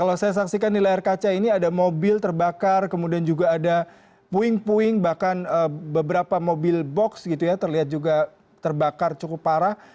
kalau saya saksikan di layar kaca ini ada mobil terbakar kemudian juga ada puing puing bahkan beberapa mobil box gitu ya terlihat juga terbakar cukup parah